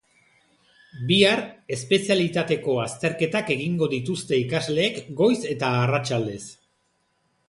Bihar espezialitateko azterketak egingo dituzte ikasleek goiz eta arratsaldez.